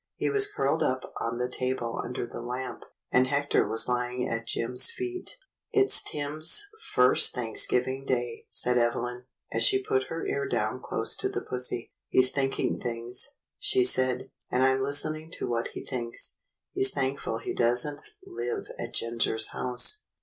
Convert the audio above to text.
He was curled up on the table under the lamp, and Hector was lying at Jim's feet. "It's Tim's first Thanksgiving Day," said Evelyn, as she put her ear down close to the pussy. "He's thinking things," she said, "and I'm listening to what he thinks. He's thankful he does n't hve at Ginger's house."